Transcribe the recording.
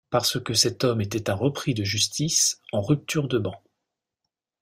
Parce que cet homme était un repris de justice en rupture de ban.